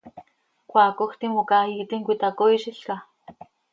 ¿Cmaacoj timoca iiitim cöitacooizilca?